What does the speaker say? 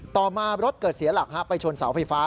ต่อมารถเกิดเสียหลักไปชนเสาไฟฟ้า